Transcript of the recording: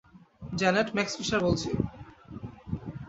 Janet, Max Fisher বলছি।